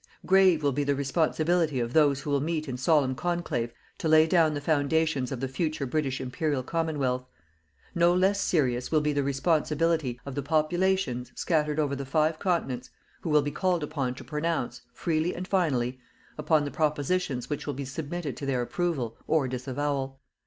Grave will be the responsibility of those who will meet in solemn conclave to lay down the foundations of the future British Imperial Commonwealth. No less serious will be the responsibility of the populations, scattered over the five continents, who will be called upon to pronounce, freely and finally, upon the propositions which will be submitted to their approval or disavowal.